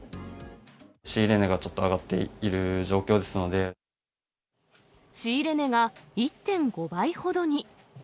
仕入れ値がちょっと上がって仕入れ値が１．５倍ほどに。